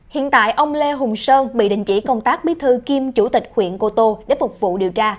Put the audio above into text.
hiện tại ông lê hùng sơn bị đình chỉ công tác bí thư kiêm chủ tịch huyện cô tô để phục vụ điều tra